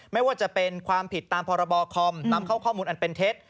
ไม่ว่าจะเป็นความผิดตามพรบคอมนำเข้าข้อมูลอันเป็นเท็จ